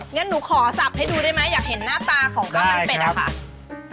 งั้นหนูขอสับให้ดูได้ไหมอยากเห็นหน้าตาของข้าวมันเป็ดอะค่ะ